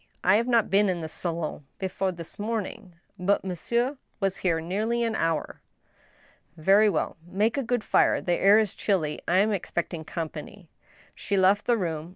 I have not been in the salon be fore this morning, but monsieur was here nearly an hour." " Very well. Make a good fire. The air is chilly. I am expect ing company." She left the room.